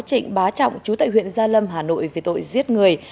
trịnh bá trọng chú tại huyện gia lâm hà nội về tội giết người